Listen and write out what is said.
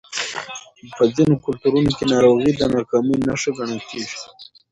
په ځینو کلتورونو کې ناروغي د ناکامۍ نښه ګڼل کېږي.